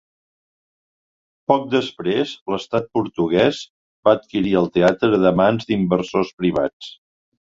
Poc després, l'Estat portuguès va adquirir el teatre de mans d'inversors privats.